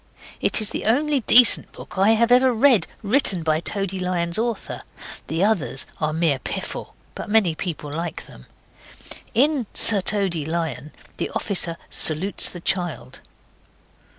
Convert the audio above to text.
It is the only decent book I have ever read written by Toady Lion's author. The others are mere piffle. But many people like them. In Sir Toady Lion the officer salutes the child.